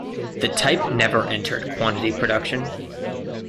The type never entered quantity production.